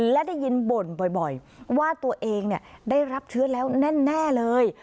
และได้ยินบ่นบ่อยว่าตัวเองได้รับเชื้อแล้วแน่เลย